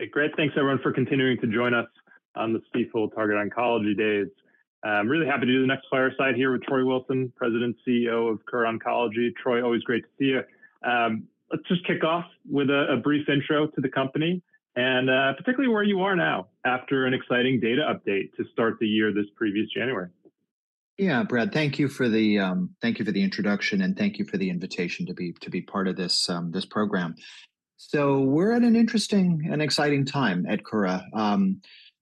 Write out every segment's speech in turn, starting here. Hey, great. Thanks, everyone, for continuing to join us on this Stifel Targeted Oncology Forum. I'm really happy to do the next fireside here with Troy Wilson, President, CEO of Kura Oncology. Troy, always great to see you. Let's just kick off with a brief intro to the company, and particularly where you are now after an exciting data update to start the year this previous January. Yeah, Brad, thank you for the, thank you for the introduction, and thank you for the invitation to be, to be part of this, this program. So we're at an interesting and exciting time at Kura.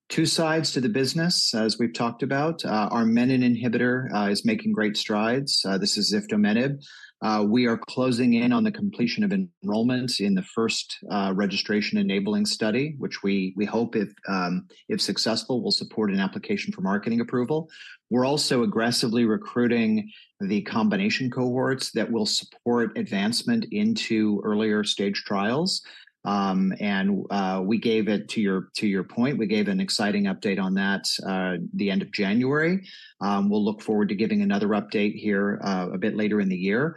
Two sides to the business, as we've talked about. Our menin inhibitor is making great strides. This is ziftomenib. We are closing in on the completion of enrollment in the first, registration-enabling study, which we, we hope if, if successful, will support an application for marketing approval. We're also aggressively recruiting the combination cohorts that will support advancement into earlier stage trials. And, we gave it, to your, to your point, we gave an exciting update on that, the end of January. We'll look forward to giving another update here, a bit later in the year.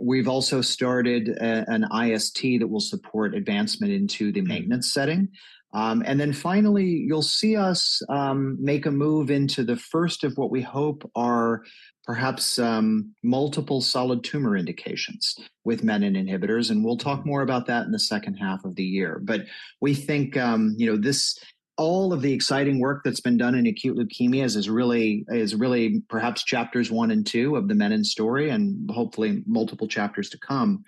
We've also started an IST that will support advancement into the maintenance setting. And then finally, you'll see us make a move into the first of what we hope are perhaps multiple solid tumor indications with menin inhibitors, and we'll talk more about that in the second half of the year. But we think, you know, this, all of the exciting work that's been done in acute leukemias is really, is really perhaps chapters one and two of the menin story, and hopefully multiple chapters to come.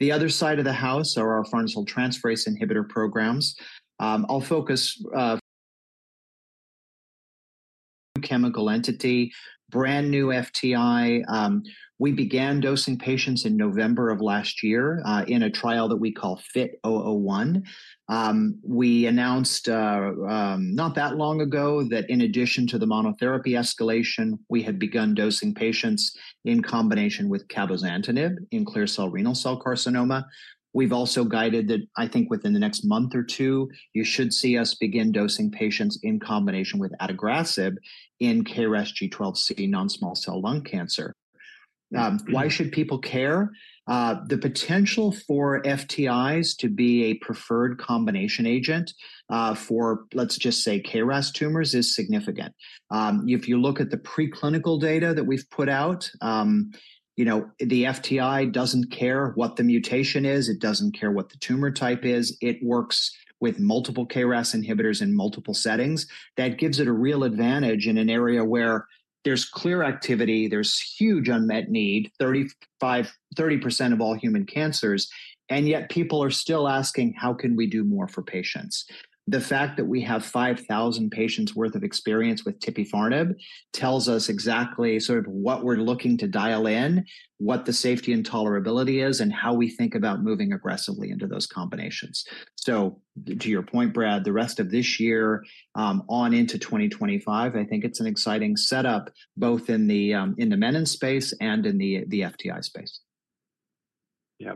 The other side of the house are our farnesyltransferase inhibitor programs. I'll focus on KO-2806 chemical entity, brand new FTI. We began dosing patients in November of last year, in a trial that we call FIT-001. We announced not that long ago that in addition to the monotherapy escalation, we had begun dosing patients in combination with cabozantinib in clear cell renal cell carcinoma. We've also guided that, I think within the next month or two, you should see us begin dosing patients in combination with adagrasib in KRAS G12C non-small cell lung cancer. Why should people care? The potential for FTIs to be a preferred combination agent for, let's just say, KRAS tumors, is significant. If you look at the preclinical data that we've put out, you know, the FTI doesn't care what the mutation is, it doesn't care what the tumor type is. It works with multiple KRAS inhibitors in multiple settings. That gives it a real advantage in an area where there's clear activity, there's huge unmet need, 30%-35% of all human cancers, and yet people are still asking, "How can we do more for patients?" The fact that we have 5,000 patients' worth of experience with tipifarnib tells us exactly sort of what we're looking to dial in, what the safety and tolerability is, and how we think about moving aggressively into those combinations. So to your point, Brad, the rest of this year, on into 2025, I think it's an exciting setup, both in the menin space and in the FTI space. Yeah.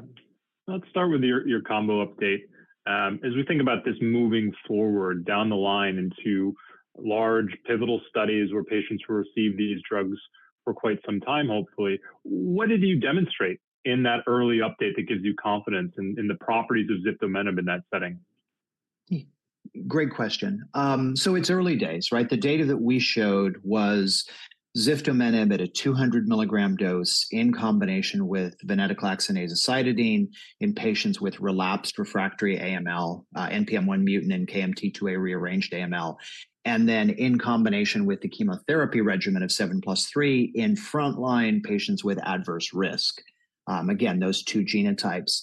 Let's start with your, your combo update. As we think about this moving forward down the line into large, pivotal studies where patients will receive these drugs for quite some time, hopefully, what did you demonstrate in that early update that gives you confidence in, in the properties of ziftomenib in that setting? Great question. So it's early days, right? The data that we showed was ziftomenib at a 200 milligram dose in combination with venetoclax and azacitidine in patients with relapsed refractory AML, NPM1 mutant and KMT2A rearranged AML, and then in combination with the chemotherapy regimen of 7+3 in frontline patients with adverse risk. Again, those two genotypes.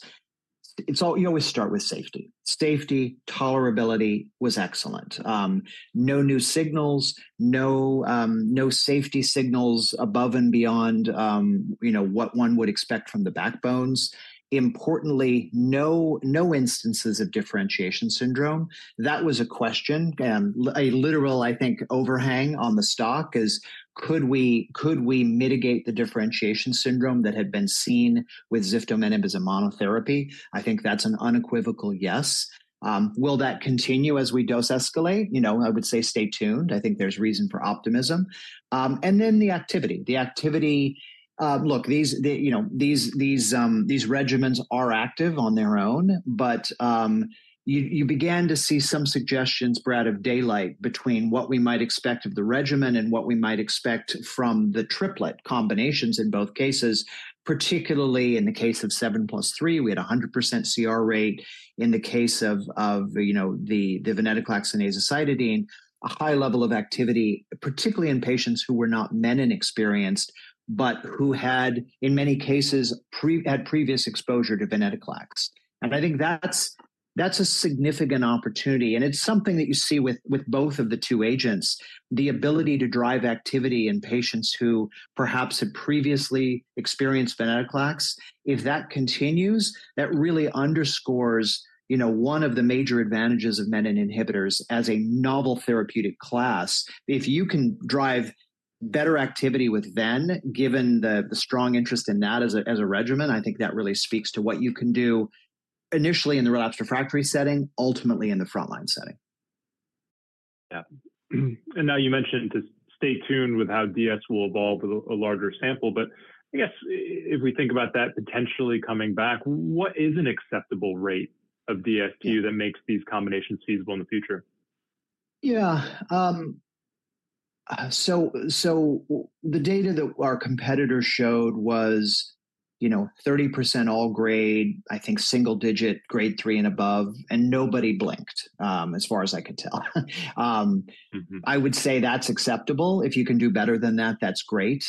You always start with safety. Safety, tolerability was excellent. No new signals, no, no safety signals above and beyond, you know, what one would expect from the backbones. Importantly, no, no instances of differentiation syndrome. That was a question, a literal, I think, overhang on the stock is, could we, could we mitigate the differentiation syndrome that had been seen with ziftomenib as a monotherapy? I think that's an unequivocal yes. Will that continue as we dose escalate? You know, I would say stay tuned. I think there's reason for optimism. And then the activity. The activity, look, these, you know, these, these regimens are active on their own, but, you began to see some suggestions, Brad, of daylight between what we might expect of the regimen and what we might expect from the triplet combinations in both cases, particularly in the case of 7+3, we had a 100% CR rate. In the case of, you know, the venetoclax and azacitidine, a high level of activity, particularly in patients who were not menin experienced, but who had, in many cases, had previous exposure to venetoclax. I think that's a significant opportunity, and it's something that you see with both of the two agents, the ability to drive activity in patients who perhaps had previously experienced venetoclax. If that continues, that really underscores, you know, one of the major advantages of menin inhibitors as a novel therapeutic class. If you can drive better activity with Ven, given the strong interest in that as a regimen, I think that really speaks to what you can do initially in the relapsed refractory setting, ultimately in the frontline setting. Yeah. And now you mentioned to stay tuned with how DS will evolve with a larger sample, but I guess if we think about that potentially coming back, what is an acceptable rate of DS that makes these combinations feasible in the future? Yeah, the data that our competitors showed was, you know, 30% all grade, I think single digit, grade three and above, and nobody blinked, as far as I could tell. I would say that's acceptable. If you can do better than that, that's great.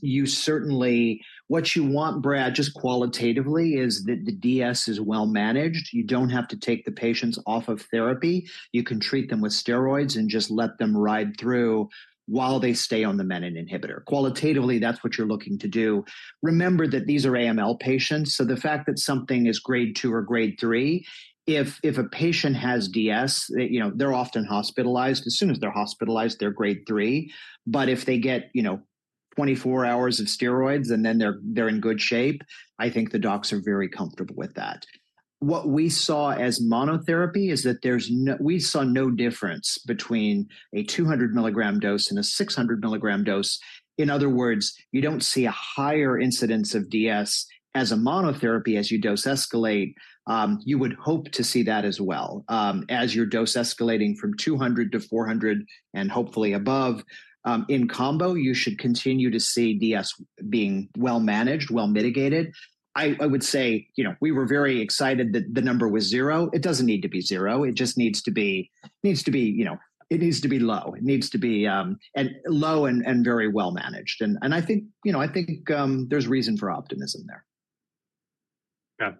You certainly want, Brad, just qualitatively, is that the DS is well managed. You don't have to take the patients off of therapy. You can treat them with steroids and just let them ride through while they stay on the menin inhibitor. Qualitatively, that's what you're looking to do. Remember that these are AML patients, so the fact that something is grade two or grade three, if a patient has DS, they, you know, they're often hospitalized. As soon as they're hospitalized, they're grade three, but if they get, you know, 24 hours of steroids, and then they're in good shape, I think the docs are very comfortable with that. What we saw as monotherapy is that we saw no difference between a 200 mg dose and a 600 mg dose. In other words, you don't see a higher incidence of DS as a monotherapy as you dose escalate. You would hope to see that as well. As you're dose escalating from 200 to 400 and hopefully above, in combo, you should continue to see DS being well managed, well mitigated. I would say, you know, we were very excited that the number was 0. It doesn't need to be 0. It just needs to be, you know, it needs to be low. It needs to be low and very well managed, and I think, you know, I think, there's reason for optimism there. Yeah.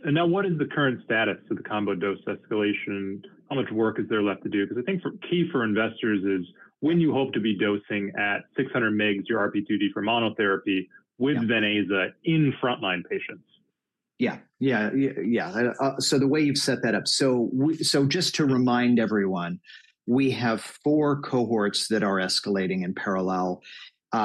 And now what is the current status of the combo dose escalation? How much work is there left to do? 'Cause I think, key for investors is when you hope to be dosing at 600 mg, your RP2D for monotherapy with Venetaza in frontline patients. Yeah, yeah, yeah. So the way you've set that up, so just to remind everyone, we have four cohorts that are escalating in parallel.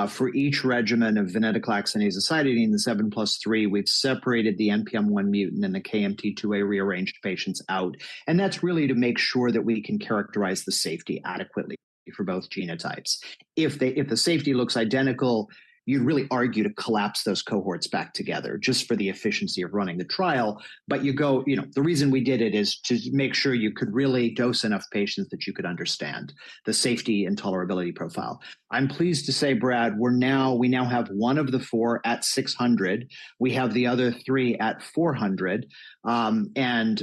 For each regimen of venetoclax and azacitidine, the 7+3, we've separated the NPM1 mutant and the KMT2A rearranged patients out, and that's really to make sure that we can characterize the safety adequately for both genotypes. If the safety looks identical, you'd really argue to collapse those cohorts back together, just for the efficiency of running the trial, but you go, you know. The reason we did it is to make sure you could really dose enough patients that you could understand the safety and tolerability profile. I'm pleased to say, Brad, we now have one of the four at 600. We have the other three at 400, and,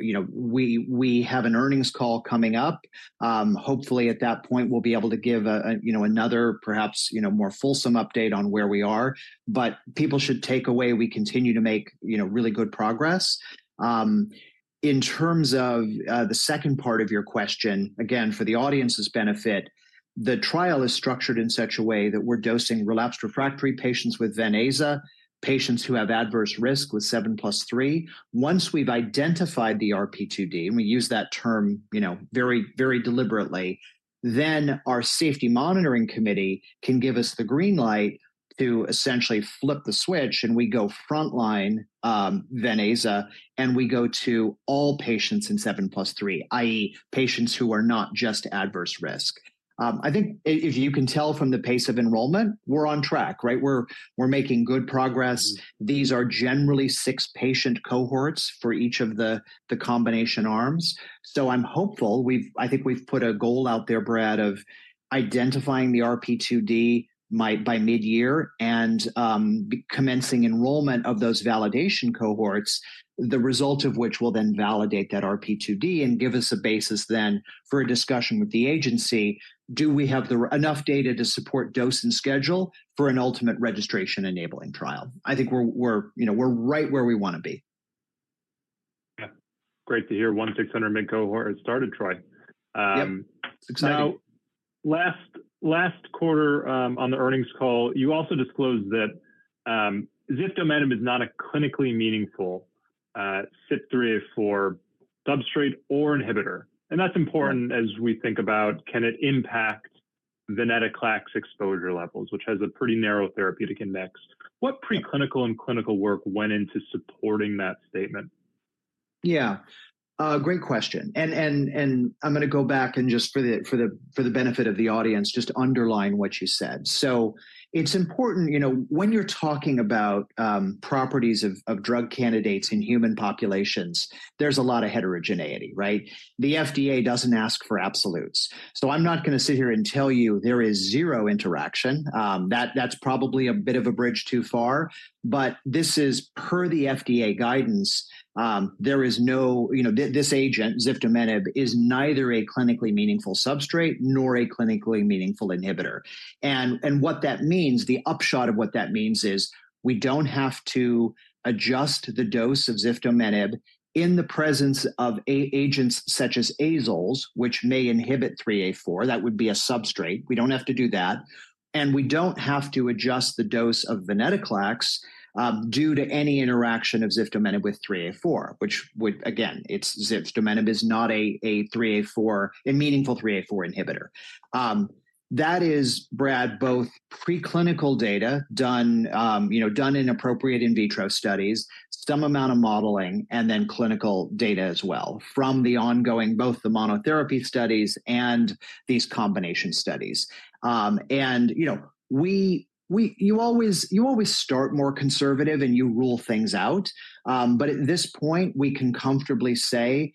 you know, we have an earnings call coming up. Hopefully, at that point, we'll be able to give a you know, another perhaps, you know, more fulsome update on where we are, but people should take away we continue to make, you know, really good progress. In terms of the second part of your question, again, for the audience's benefit, the trial is structured in such a way that we're dosing relapsed refractory patients with Venetaza, patients who have adverse risk with 7+3. Once we've identified the RP2D, and we use that term, you know, very, very deliberately, then our safety monitoring committee can give us the green light to essentially flip the switch, and we go frontline, Venetaza, and we go to all patients in 7+3, i.e., patients who are not just adverse risk. I think if you can tell from the pace of enrollment, we're on track, right? We're, we're making good progress. These are generally 6-patient cohorts for each of the, the combination arms, so I'm hopeful. I think we've put a goal out there, Brad, of identifying the RP2D by midyear and commencing enrollment of those validation cohorts, the result of which will then validate that RP2D and give us a basis then for a discussion with the agency. Do we have enough data to support dose and schedule for an ultimate registration-enabling trial? I think we're, you know, we're right where we wanna be. Yeah. Great to hear 1600 mg cohort has started, Troy. Yep, it's exciting. Now, last quarter, on the earnings call, you also disclosed that ziftomenib is not a clinically meaningful CYP3A4 substrate or inhibitor, and that's important as we think about, can it impact venetoclax exposure levels, which has a pretty narrow therapeutic index? What preclinical and clinical work went into supporting that statement? Yeah, great question, and I'm gonna go back and just for the benefit of the audience, just underline what you said. So it's important, you know, when you're talking about properties of drug candidates in human populations, there's a lot of heterogeneity, right? The FDA doesn't ask for absolutes, so I'm not gonna sit here and tell you there is zero interaction. That, that's probably a bit of a bridge too far, but this is per the FDA guidance. There is no, you know, this agent, ziftomenib, is neither a clinically meaningful substrate nor a clinically meaningful inhibitor, and what that means, the upshot of what that means is, we don't have to adjust the dose of ziftomenib in the presence of agents such as azoles, which may inhibit 3A4. That would be a substrate. We don't have to do that, and we don't have to adjust the dose of venetoclax due to any interaction of ziftomenib with CYP3A4, which would, again, ziftomenib is not a meaningful CYP3A4 inhibitor. That is, Brad, both preclinical data done in appropriate in vitro studies, you know, some amount of modeling, and then clinical data as well from the ongoing both the monotherapy studies and these combination studies. And, you know, we always start more conservative, and you rule things out, but at this point, we can comfortably say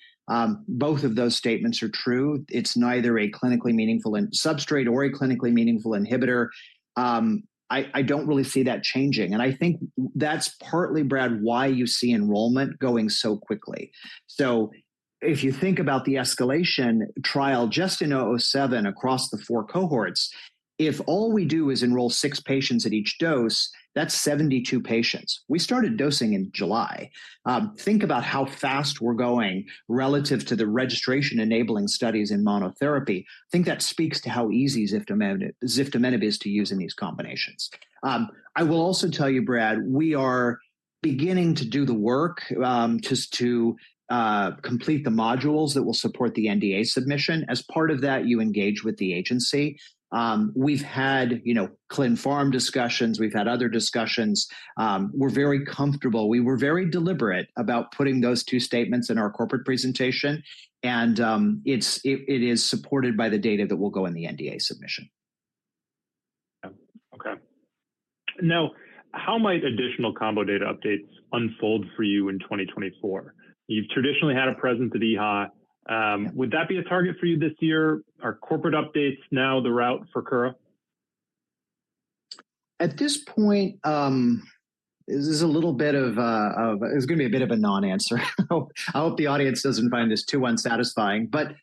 both of those statements are true. It's neither a clinically meaningful substrate or a clinically meaningful inhibitor. I don't really see that changing, and I think that's partly, Brad, why you see enrollment going so quickly. So if you think about the escalation trial just in 007 across the 4 cohorts, if all we do is enroll 6 patients at each dose, that's 72 patients. We started dosing in July. Think about how fast we're going relative to the registration-enabling studies in monotherapy. I think that speaks to how easy ziftomenib, ziftomenib is to use in these combinations. I will also tell you, Brad, we are beginning to do the work just to complete the modules that will support the NDA submission. As part of that, you engage with the agency. We've had, you know, clin pharm discussions, we've had other discussions. We're very comfortable. We were very deliberate about putting those 2 statements in our corporate presentation, and it's, it, it is supported by the data that will go in the NDA submission. Yeah. Okay. Now, how might additional combo data updates unfold for you in 2024? You've traditionally had a presence at EHA. Would that be a target for you this year? Are corporate updates now the route for Kura? At this point, this is a little bit of a. It's gonna be a bit of a non-answer. I hope the audience doesn't find this too unsatisfying. But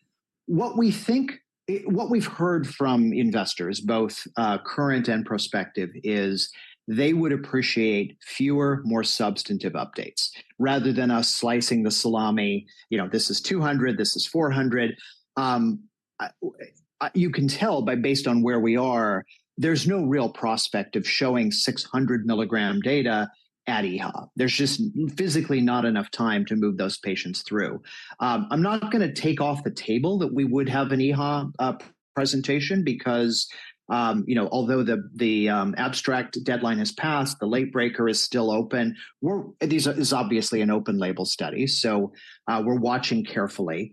what we think, what we've heard from investors, both, current and prospective, is they would appreciate fewer, more substantive updates, rather than us slicing the salami. You know, this is 200, this is 400. You can tell by based on where we are, there's no real prospect of showing 600 milligram data at EHA. There's just physically not enough time to move those patients through. I'm not gonna take off the table that we would have an EHA presentation because, you know, although the abstract deadline has passed, the late breaker is still open. We're this is obviously an open-label study, so we're watching carefully.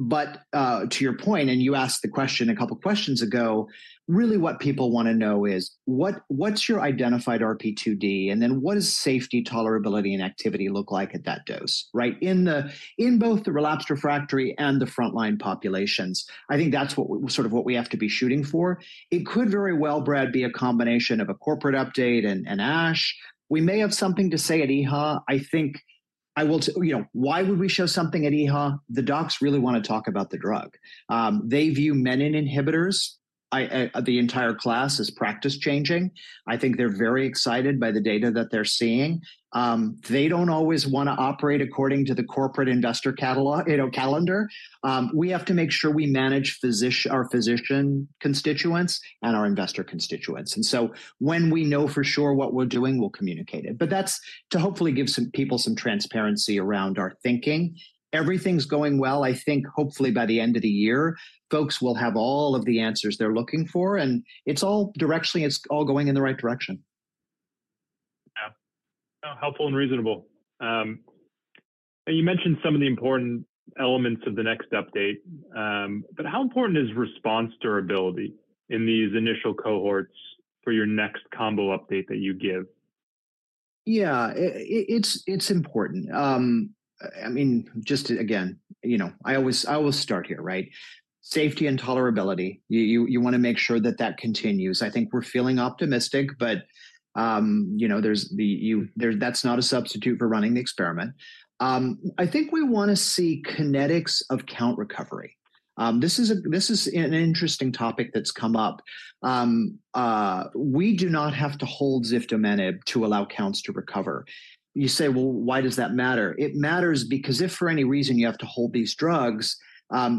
But to your point, and you asked the question a couple questions ago, really what people wanna know is, what's your identified RP2D, and then what does safety, tolerability, and activity look like at that dose, right? In both the relapsed, refractory, and the frontline populations. I think that's sort of what we have to be shooting for. It could very well, Brad, be a combination of a corporate update and ASH. We may have something to say at EHA. I think, you know, why would we show something at EHA? The docs really wanna talk about the drug. They view menin inhibitors, the entire class, as practice changing. I think they're very excited by the data that they're seeing. They don't always wanna operate according to the corporate investor calendar—you know, calendar. We have to make sure we manage our physician constituents and our investor constituents, and so when we know for sure what we're doing, we'll communicate it. But that's to hopefully give some people some transparency around our thinking. Everything's going well. I think hopefully by the end of the year, folks will have all of the answers they're looking for, and it's all directionally, it's all going in the right direction. Yeah. Helpful and reasonable. You mentioned some of the important elements of the next update, but how important is response durability in these initial cohorts for your next combo update that you give? Yeah, it's important. I mean, just again, you know, I always, I will start here, right? Safety and tolerability, you wanna make sure that that continues. I think we're feeling optimistic, but, you know, there's, that's not a substitute for running the experiment. I think we wanna see kinetics of count recovery. This is an interesting topic that's come up. We do not have to hold ziftomenib to allow counts to recover. You say, "Well, why does that matter?" It matters because if for any reason you have to hold these drugs,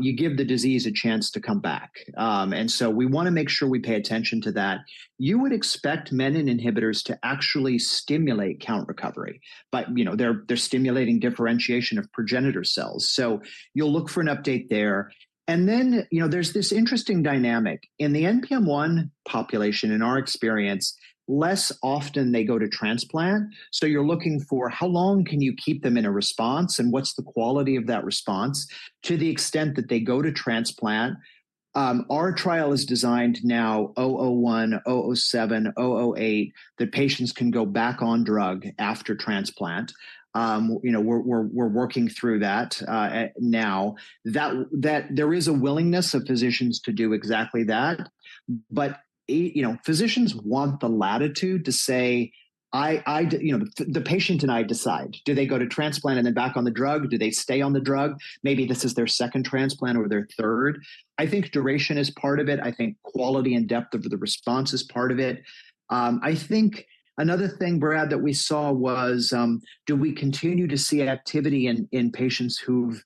you give the disease a chance to come back. And so we wanna make sure we pay attention to that. You would expect menin inhibitors to actually stimulate count recovery, but, you know, they're stimulating differentiation of progenitor cells, so you'll look for an update there. And then, you know, there's this interesting dynamic. In the NPM1 population, in our experience, less often they go to transplant, so you're looking for how long can you keep them in a response and what's the quality of that response to the extent that they go to transplant? Our trial is designed now, 001, 007, 008, that patients can go back on drug after transplant. You know, we're working through that now. That there is a willingness of physicians to do exactly that, but, you know, physicians want the latitude to say, "I, you know, the patient and I decide. Do they go to transplant and then back on the drug? Do they stay on the drug? Maybe this is their second transplant or their third." I think duration is part of it. I think quality and depth of the response is part of it. I think another thing, Brad, that we saw was, do we continue to see activity in patients who've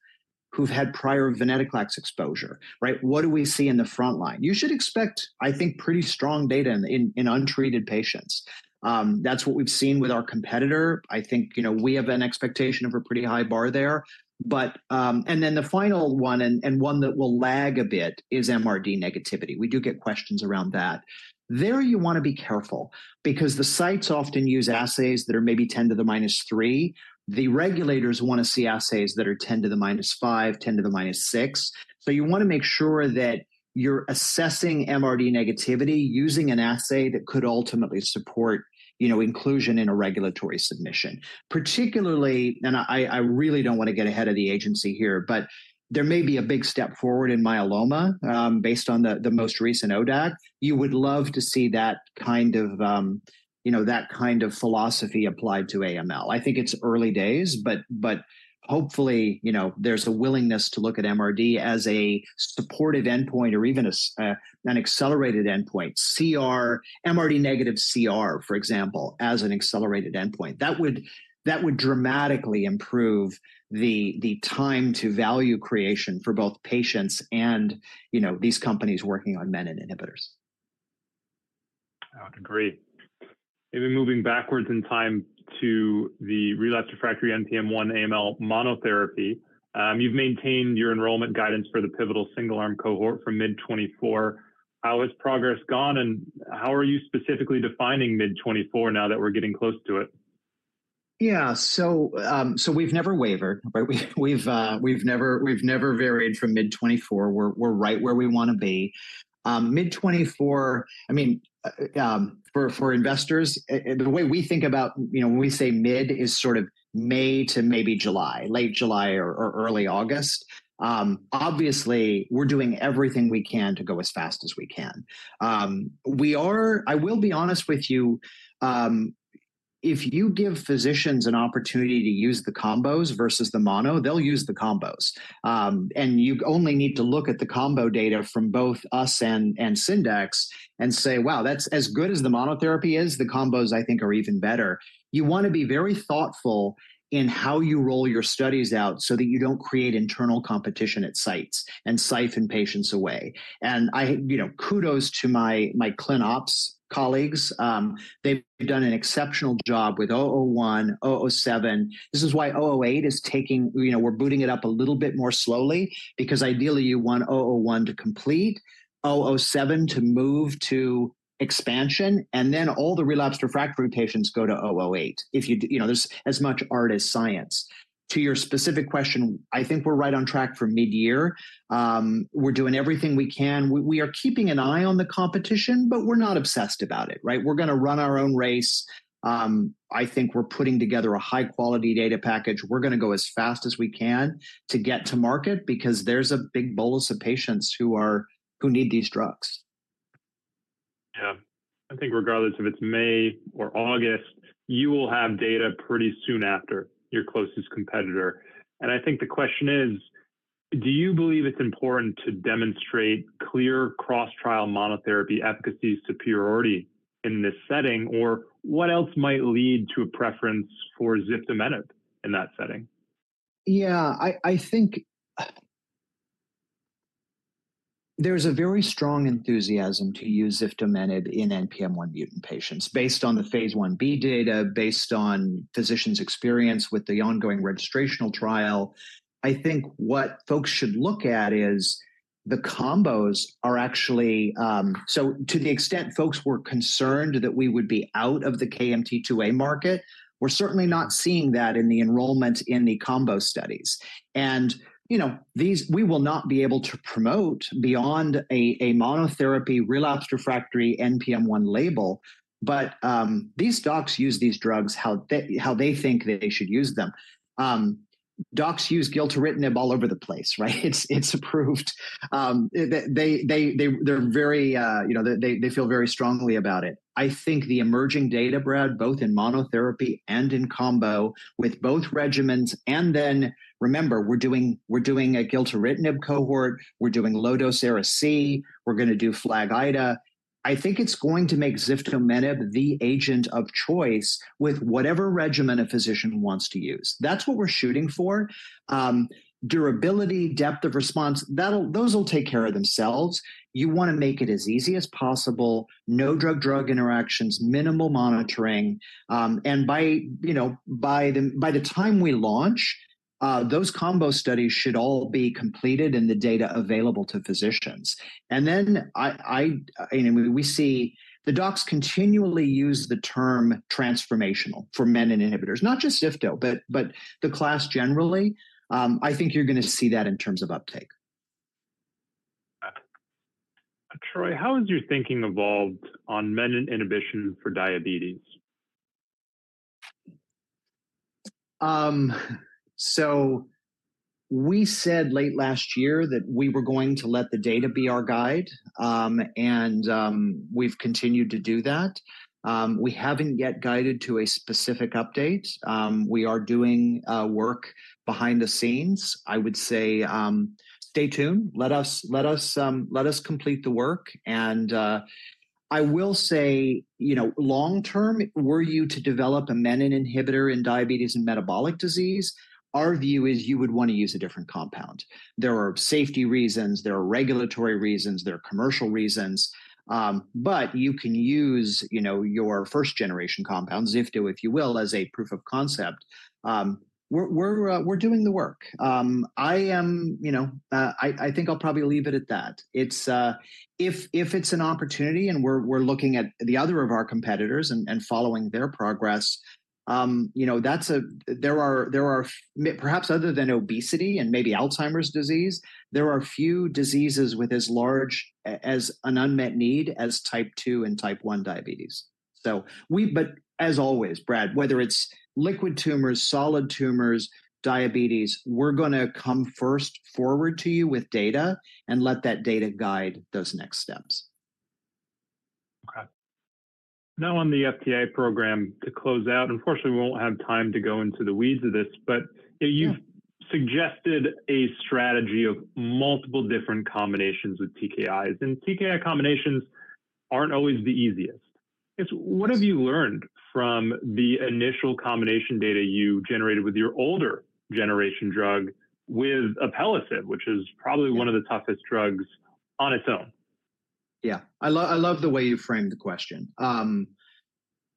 had prior venetoclax exposure, right? What do we see in the front line? You should expect, I think, pretty strong data in untreated patients. That's what we've seen with our competitor. I think, you know, we have an expectation of a pretty high bar there. But, and then the final one, and one that will lag a bit, is MRD negativity. We do get questions around that. There you wanna be careful because the sites often use assays that are maybe 10 to the -3. The regulators wanna see assays that are 10 to the -5, 10 to the -6. So you wanna make sure that you're assessing MRD negativity using an assay that could ultimately support, you know, inclusion in a regulatory submission. Particularly, and I, I really don't wanna get ahead of the agency here, but there may be a big step forward in myeloma, based on the, the most recent ODAC. You would love to see that kind of, you know, that kind of philosophy applied to AML. I think it's early days, but, but hopefully, you know, there's a willingness to look at MRD as a supported endpoint or even an accelerated endpoint, CR—MRD negative CR, for example, as an accelerated endpoint. That would dramatically improve the time to value creation for both patients and, you know, these companies working on menin inhibitors. Agree. Maybe moving backwards in time to the relapsed/refractory NPM1 AML monotherapy, you've maintained your enrollment guidance for the pivotal single-arm cohort from mid 2024. How has progress gone, and how are you specifically defining mid 2024 now that we're getting close to it? Yeah, so, so we've never wavered, right? We've never varied from mid-2024. We're right where we wanna be. Mid-2024, I mean, for investors, and the way we think about, you know, when we say mid is sort of May to maybe July, late July or early August. Obviously, we're doing everything we can to go as fast as we can. We are—I will be honest with you, if you give physicians an opportunity to use the combos versus the mono, they'll use the combos. And you only need to look at the combo data from both us and, and Syndax and say, "Wow, that's as good as the monotherapy is, the combos, I think, are even better." You wanna be very thoughtful in how you roll your studies out so that you don't create internal competition at sites and siphon patients away. And I, you know, kudos to my, my clin ops colleagues. They've done an exceptional job with 001, 007. This is why 008 is taking. You know, we're booting it up a little bit more slowly because ideally, you want 001 to complete, 007 to move to expansion, and then all the relapsed/refractory patients go to 008. You know, there's as much art as science. To your specific question, I think we're right on track for midyear. We're doing everything we can. We are keeping an eye on the competition, but we're not obsessed about it, right? We're gonna run our own race. I think we're putting together a high-quality data package. We're gonna go as fast as we can to get to market because there's a big bolus of patients who need these drugs. Yeah. I think regardless if it's May or August, you will have data pretty soon after your closest competitor, and I think the question is: Do you believe it's important to demonstrate clear cross-trial monotherapy efficacy superiority in this setting, or what else might lead to a preference for ziftomenib in that setting? Yeah, I think there's a very strong enthusiasm to use ziftomenib in NPM1 mutant patients. Based on the phase 1b data, based on physicians' experience with the ongoing registrational trial, I think what folks should look at is the combos are actually. So to the extent folks were concerned that we would be out of the KMT2A market, we're certainly not seeing that in the enrollment in the combo studies. And, you know, these, we will not be able to promote beyond a monotherapy relapsed/refractory NPM1 label, but these docs use these drugs how they, how they think they should use them. Docs use gilteritinib all over the place, right? It's approved. They're very, you know, they feel very strongly about it. I think the emerging data, Brad, both in monotherapy and in combo with both regimens, and then remember, we're doing a gilteritinib cohort, we're doing low-dose Ara-C, we're gonna do FLAG-Ida. I think it's going to make ziftomenib the agent of choice with whatever regimen a physician wants to use. That's what we're shooting for. Durability, depth of response, that'll, those will take care of themselves. You wanna make it as easy as possible, no drug-drug interactions, minimal monitoring, and by, you know, by the time we launch, those combo studies should all be completed and the data available to physicians. And then, you know, we see the docs continually use the term transformational for menin inhibitors, not just Zifto, but the class generally. I think you're gonna see that in terms of uptake. Troy, how has your thinking evolved on menin inhibition for diabetes? So we said late last year that we were going to let the data be our guide, and we've continued to do that. We haven't yet guided to a specific update. We are doing work behind the scenes. I would say, stay tuned, let us complete the work. And I will say, you know, long term, were you to develop a menin inhibitor in diabetes and metabolic disease, our view is you would wanna use a different compound. There are safety reasons, there are regulatory reasons, there are commercial reasons. But you can use, you know, your first-generation compound, ziftomenib, if you will, as a proof of concept. We're doing the work. I am, you know, I think I'll probably leave it at that. It's if it's an opportunity, and we're looking at the other of our competitors and following their progress, you know, that's a—there are perhaps other than obesity and maybe Alzheimer's disease, there are few diseases with as large an unmet need as Type 2 and Type 1 diabetes. So, but as always, Brad, whether it's liquid tumors, solid tumors, diabetes, we're gonna come first forward to you with data and let that data guide those next steps. Okay. Now, on the FDA program, to close out, unfortunately, we won't have time to go into the weeds of this, but you've suggested a strategy of multiple different combinations with TKIs, and TKI combinations aren't always the easiest. What have you learned from the initial combination data you generated with your older generation drug with alpelisib, which is probably one of the toughest drugs on its own? Yeah, I love the way you framed the question.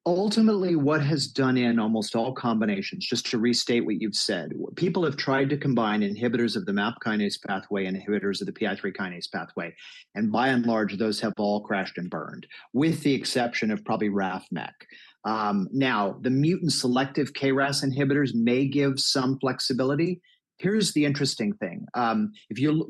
Ultimately, what has been done in almost all combinations, just to restate what you've said, people have tried to combine inhibitors of the MAP kinase pathway, inhibitors of the PI3 kinase pathway, and by and large, those have all crashed and burned, with the exception of probably RAF/MEK. Now, the mutant-selective KRAS inhibitors may give some flexibility. Here's the interesting thing. If you look,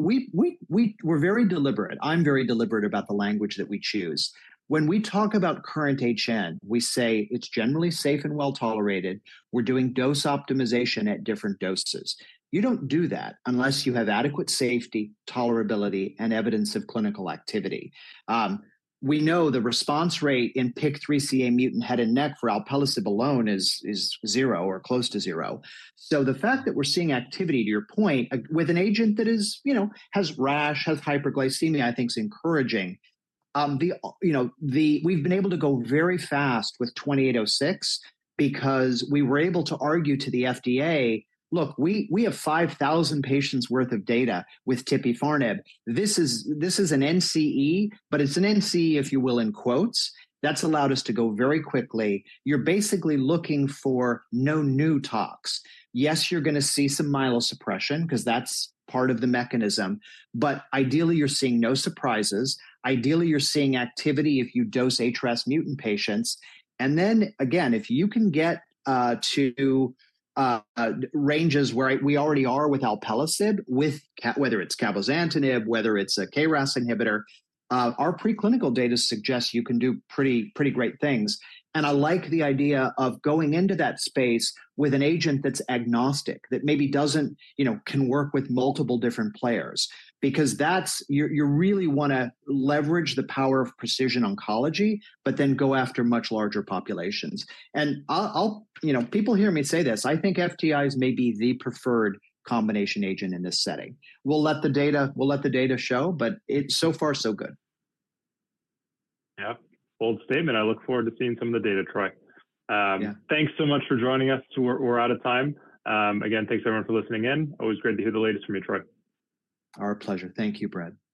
we're very deliberate. I'm very deliberate about the language that we choose. When we talk about current HN, we say, "It's generally safe and well-tolerated. We're doing dose optimization at different doses." You don't do that unless you have adequate safety, tolerability, and evidence of clinical activity. We know the response rate in PIK3CA mutant head and neck for alpelisib alone is zero or close to zero. So the fact that we're seeing activity, to your point, with an agent that is, you know, has rash, has hyperglycemia, I think is encouraging. You know, we've been able to go very fast with 2806 because we were able to argue to the FDA, "Look, we have 5,000 patients' worth of data with tipifarnib. This is an NCE, but it's an NCE, if you will, in quotes." That's allowed us to go very quickly. You're basically looking for no new tox. Yes, you're gonna see some myelosuppression, 'cause that's part of the mechanism, but ideally, you're seeing no surprises. Ideally, you're seeing activity if you dose HRAS mutant patients. And then, again, if you can get to ranges where we already are with alpelisib, whether it's cabozantinib, whether it's a KRAS inhibitor, our preclinical data suggests you can do pretty, pretty great things. And I like the idea of going into that space with an agent that's agnostic, that maybe doesn't—you know, can work with multiple different players. Because that's—you really wanna leverage the power of precision oncology, but then go after much larger populations. And I'll you know, people hear me say this, I think FTIs may be the preferred combination agent in this setting. We'll let the data, we'll let the data show, but it's so far so good. Yep. Bold statement. I look forward to seeing some of the data, Troy. Yeah. Thanks so much for joining us. We're out of time. Again, thanks, everyone, for listening in. Always great to hear the latest from you, Troy. Our pleasure. Thank you, Brad.